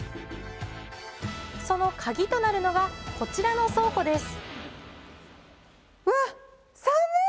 そのカギとなるのがこちらの倉庫です